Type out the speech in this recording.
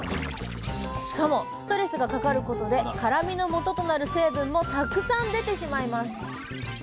しかもストレスがかかることで辛みのもととなる成分もたくさん出てしまいます。